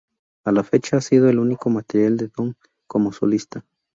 A la fecha ha sido el único material de Domm como solista.